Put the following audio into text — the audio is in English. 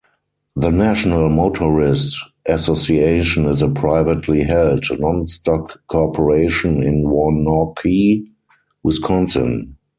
The National Motorists Association is a privately held, Non-stock corporation in Waunakee, Wisconsin.